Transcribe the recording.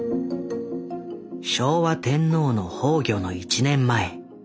昭和天皇の崩御の１年前。